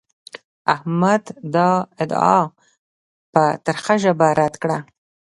احمد دا ادعا په ترخه ژبه رد کړه.